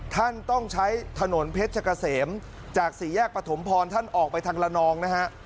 ท่านต้องใช้ถนนเพชรกะเสมจากสี่แยกปฐมพรท่านออกไปทางละนองนะฮะ